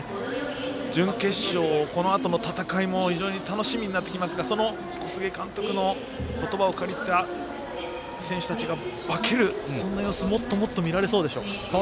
準決勝、このあとの戦いも非常に楽しみになってきますが小菅監督の言葉を借りた、選手たちが化ける、そんな様子をもっと見られそうでしょうか。